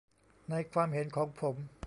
ในความเห็นของผม